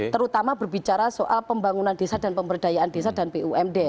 terutama berbicara soal pembangunan desa dan pemberdayaan desa dan bumd